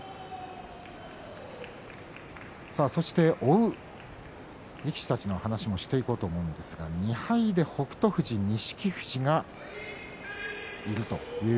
そして、追う力士たちの話もしていこうと思うんですが２敗で追う北勝富士錦